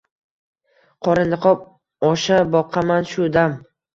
Qora niqob osha boqaman shu dam.